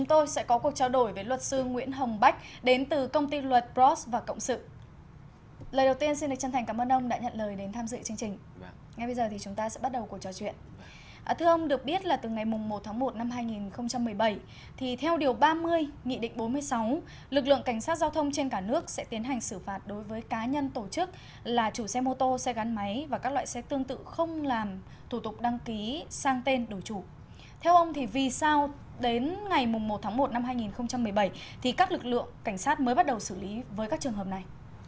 theo ông thì vì sao đến ngày một tháng một năm hai nghìn một mươi bảy thì các lực lượng cảnh sát mới bắt đầu xử lý với các trường hợp này